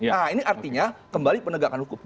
nah ini artinya kembali penegakan hukum